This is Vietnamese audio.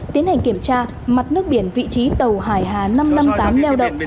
tiến hành kiểm tra mặt nước biển vị trí tàu hải hà năm trăm năm mươi tám neo đậu